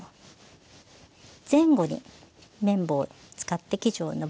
前後に麺棒を使って生地をのばします。